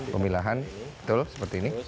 pemilahan betul seperti ini